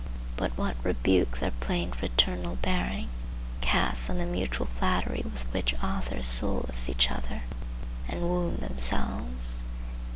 But what rebuke their plain fraternal bearing casts on the mutual flattery with which authors solace each other and wound themselves!